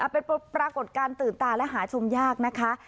เป็นปรากฏการณ์ตื่นตาและหาชมยากนะคะ